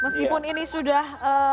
meskipun ini sudah